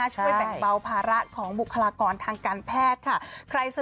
ช่วยแบ่งเบาภาระของบุคลากรทางการแพทย์ค่ะ